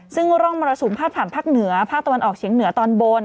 ซึ่งร่องมรสุมพาดผ่านภาคเหนือภาคตะวันออกเฉียงเหนือตอนบน